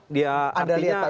di setiap daerah tung